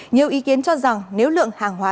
nhiều ý kiến cho rằng nếu lượng hàng hóa